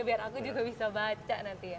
biar aku juga bisa baca nanti ya